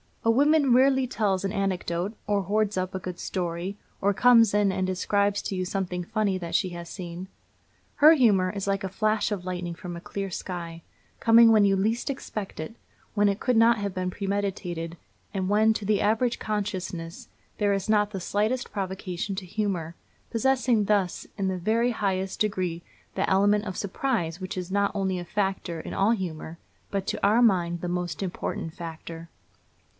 A woman rarely tells an anecdote, or hoards up a good story, or comes in and describes to you something funny that she has seen. Her humor is like a flash of lightning from a clear sky, coming when you least expect it, when it could not have been premeditated, and when, to the average consciousness, there is not the slightest provocation to humor, possessing thus in the very highest degree that element of surprise which is not only a factor in all humor, but to our mind the most important factor.